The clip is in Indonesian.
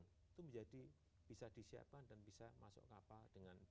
itu menjadi bisa disiapkan dan bisa masuk kapal dengan baik